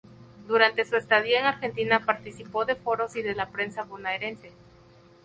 Durante su estadía en Argentina, participó de foros y de la prensa bonaerense.